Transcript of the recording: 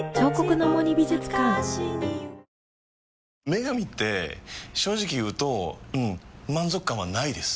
「麺神」って正直言うとうん満足感はないです。